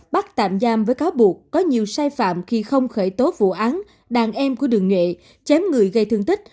bắt tạm giam với cáo buộc có nhiều sai phạm khi không khởi tố vụ án đàn em của đường nhuệ chém người gây thương tích